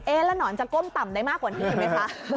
แล้วหนอนจะก้มต่ำได้มากกว่านี้อีกไหมคะ